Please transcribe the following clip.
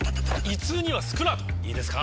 ．．．胃痛にはスクラートいいですか？